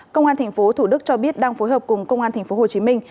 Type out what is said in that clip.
công an thành phố thủ đức cho biết đang phối hợp cùng công an thành phố hồ chí minh